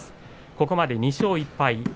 ここまで２勝１敗。